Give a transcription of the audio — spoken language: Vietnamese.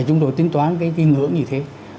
chúng tôi tính toán cái ứng hưởng như thế